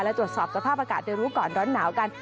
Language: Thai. และตรวจสอบสภาพอากาศในรู้ก่อนร้อนหนาวกัน